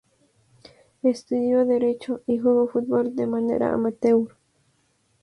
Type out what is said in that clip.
Estudió derecho y jugó fútbol de manera "amateur".